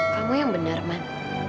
kamu yang benar man